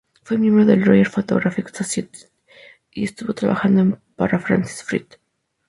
Fue miembro de la Royal Photographic Society y estuvo trabajando para Francis Frith.